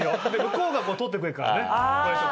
向こうが取ってくれるからね。